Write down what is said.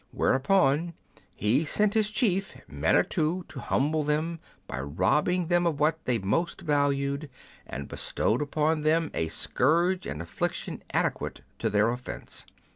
Wherefore he sent his chief Manitou to humble men by robbing them of what they most valued, and bestowing upon them a scourge and affliction adequate to their offence.